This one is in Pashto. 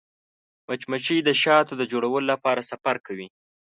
مچمچۍ د شاتو د جوړولو لپاره سفر کوي